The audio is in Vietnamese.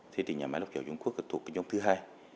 thế thì nhà máy lọc dầu dung quốc thuộc cái nhóm thứ hai